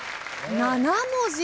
７文字。